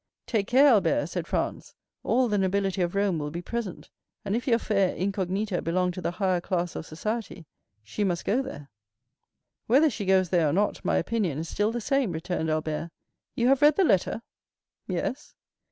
"Take care, Albert," said Franz. "All the nobility of Rome will be present, and if your fair incognita belong to the higher class of society, she must go there." "Whether she goes there or not, my opinion is still the same," returned Albert. "You have read the letter?" "Yes."